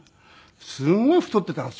すごい太ってたんですよ。